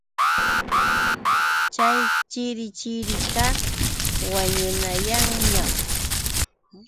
Chay chirichirikaq wañunayanñaq.